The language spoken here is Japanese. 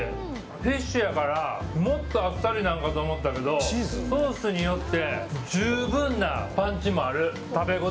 フィッシュやから、もっとあっさりなんかと思ったけどソースによって十分なパンチもある。